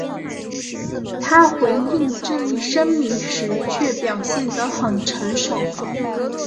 他回应这一声明时却表现得很成熟。